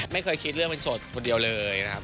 ไม่เคยคิดเรื่องเป็นโสดคนเดียวเลยนะครับ